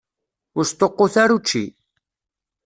Ur sṭuqqut ara učči.